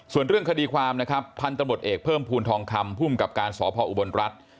ส่วนเรื่องคดีความพันธบทเอกเพิ่มภูมิทองคำพุ่มกับการสอบภาวอุบลรัฐ